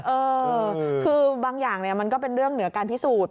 เออคือบางอย่างเนี่ยมันก็เป็นเรื่องเหนือการพิสูจน์